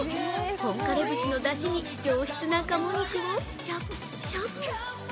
本枯節のだしに上質な鴨肉をしゃぶしゃぶ。